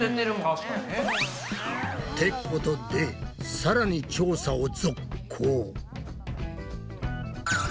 ってことでさらに調査を続行！